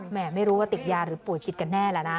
ไม่รู้ว่าติดยาหรือป่วยจิตกันแน่แล้วนะ